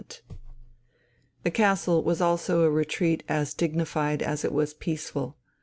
The castle was also a retreat as dignified as it was peaceful.